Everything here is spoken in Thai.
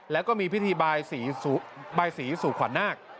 แล้วก็มีพิธีบายสีสู่ขวัญนาค